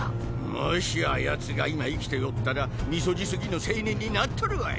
もしあやつが今生きておったら三十路過ぎの青年になっとるわい。